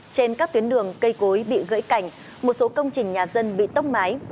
trên các tuyến đường cây cối bị gãy cảnh một số công trình nhà dân bị tốc mái